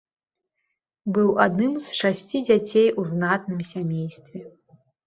Быў адным з шасці дзяцей у знатным сямействе.